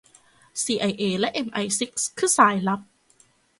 ซีไอเอและเอมไอซิกส์คือสายลับ